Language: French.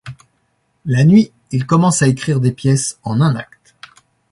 La nuit, il commence à écrire des pièces en un acte.